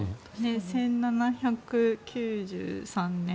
１７９３年？